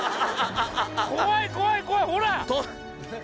怖い怖い怖いほら！